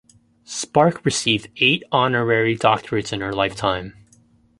Spark received eight honorary doctorates in her lifetime.